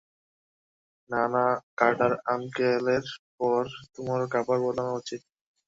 হা-না, Carter আঙ্কেলের পর তোমারও কাপড় বদলানো উচিত।